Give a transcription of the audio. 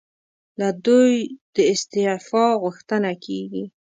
له دوی د استعفی غوښتنه کېږي.